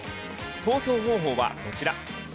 投票方法はこちら。